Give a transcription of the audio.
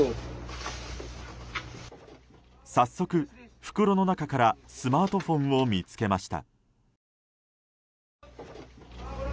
早速、袋の中からスマートフォンを見つけました。